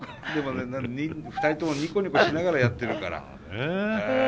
でもね２人ともニコニコしながらやってるから。